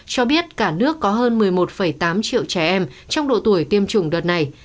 cho biết cả nước có hơn một mươi một tám triệu trẻ em trong độ tuổi tiêm chủng đợt này